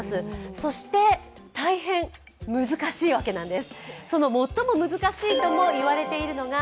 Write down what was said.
そして大変難しいわけなんです。